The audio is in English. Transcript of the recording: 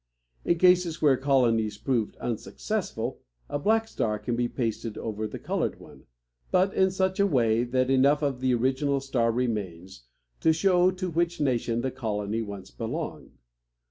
In cases where colonies proved unsuccessful, a black star can be pasted over the colored one, but in such a way that enough of the original star remains to show to which nation the colony once belonged.